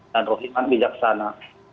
dan roh iman bijaksana